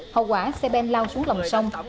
hậu quả xe bên lao xuống lòng sông